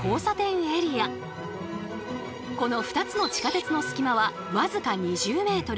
この２つの地下鉄の隙間は僅か２０ｍ。